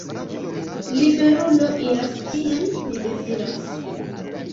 Liberulo iras, kien li deziras!